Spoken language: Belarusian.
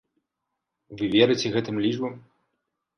Вы верыце гэтым лічбам?